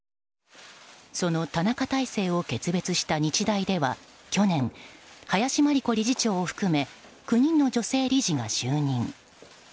その田中体制を決別した日大では去年、林真理子理事長を含め９人の女性理事が就任。